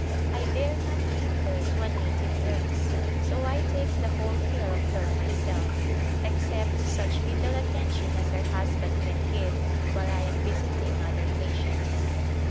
I dare not leave her to a native nurse so I take the whole care of her myself, except such little attention as her husband can give while I am visiting other patients.